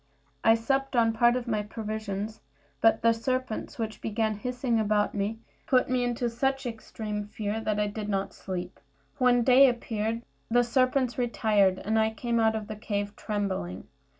I supped on part of my provisions, but the serpents, which began hissing round me, put me into such extreme fear that I did not sleep. When day appeared the serpents retired, and I came out of the cave trembling.